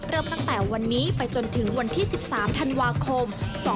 เริ่มตั้งแต่วันนี้ไปจนถึงวันที่๑๓ธันวาคม๒๕๖๒